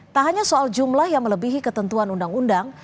tak hanya soal jumlah yang melebihi ketentuan undang undang